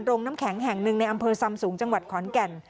น้ำแข็งแห่งหนึ่งในอำเภอซำสูงจังหวัดขอนแก่น